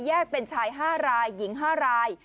เป็นชาย๕รายหญิง๕ราย